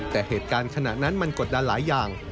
แต่เหตุการณ์ขณะนั้นมันกดดันหลายอย่าง